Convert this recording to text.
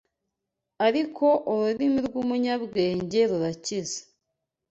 ariko ururimi rw’umunyabwenge rurakiza